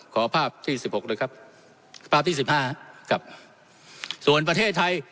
ขอภาพที่สิบหกด้วยครับภาพที่สิบห้าครับส่วนประเทศไทย